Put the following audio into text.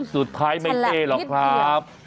สุดท้ายไม่เท่หรอกครับ